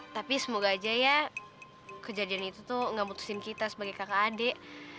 tapi semoga aja ya kejadian itu tuh gak putusin kita sebagai kakak adik